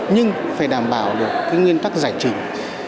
nhưng phải đảm bảo được cái nguyên tắc giải trình